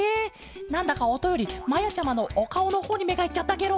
なんだかおとよりまやちゃまのおかおのほうにめがいっちゃったケロ。